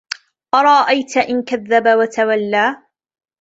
أَرَأَيْتَ إِنْ كَذَّبَ وَتَوَلَّى